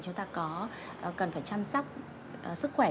chúng ta cần phải chăm sóc sức khỏe